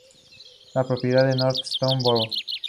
Es propiedad de North Slope Borough.